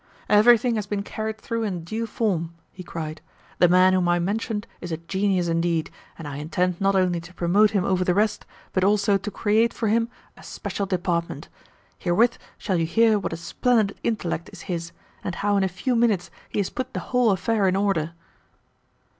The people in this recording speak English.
"Everything has been carried through in due form!" he cried. "The man whom I mentioned is a genius indeed, and I intend not only to promote him over the rest, but also to create for him a special Department. Herewith shall you hear what a splendid intellect is his, and how in a few minutes he has put the whole affair in order."